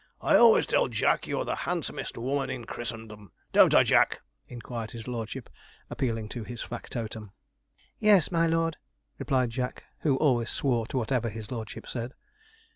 'I always tell Jack you are the handsomest woman in Christendom; don't I, Jack?' inquired his lordship, appealing to his factotum. 'Yes, my lord,' replied Jack, who always swore to whatever his lordship said.